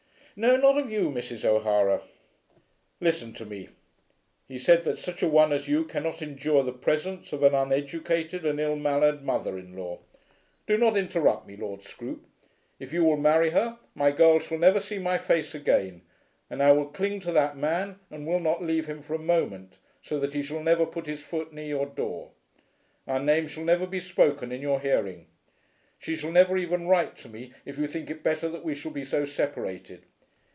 "No; not of you, Mrs. O'Hara." "Listen to me. He said that such a one as you cannot endure the presence of an uneducated and ill mannered mother in law. Do not interrupt me, Lord Scroope. If you will marry her, my girl shall never see my face again; and I will cling to that man and will not leave him for a moment, so that he shall never put his foot near your door. Our name shall never be spoken in your hearing. She shall never even write to me if you think it better that we shall be so separated."